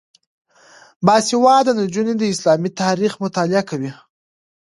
باسواده نجونې د اسلامي تاریخ مطالعه کوي.